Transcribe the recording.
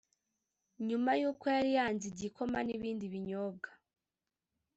nyuma yuko yari yanze igikoma n’ibindi binyobwa